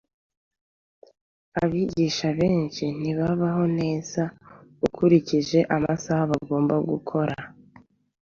Abigisha benshi ntibabaho neza ukurikije amasaha bagomba gukora